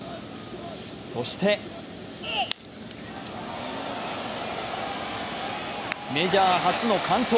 そしてメジャー初の完投。